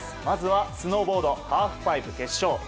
まずはスノーボードハーフパイプ決勝。